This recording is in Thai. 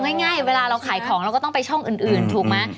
ง่ายเวลาเราขายของเราก็ต้องไปช่องอื่นถูกไหม